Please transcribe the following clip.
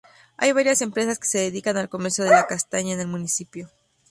Hay varias empresas que se dedican al comercio de la castaña en el municipio.